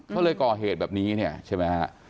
เขาเลยก่อเหตุแบบนี้ใช่ไหมครับ